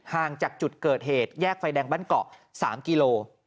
ห่างจากจุดเกิดเหตุแยกไฟแดงบ้านเกาะ๓กิโล